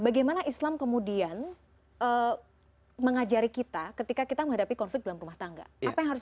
bagaimana islam kemudian mengajari kita ketika kita menghadapi konflik dalam rumah tangga apa yang harus